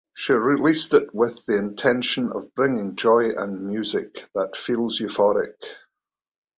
She released it with the intention of bringing "joy" and music that "feels euphoric".